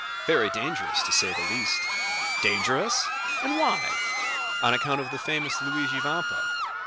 "Very dangerous, to say the least." "Dangerous!—and why?" "On account of the famous Luigi Vampa."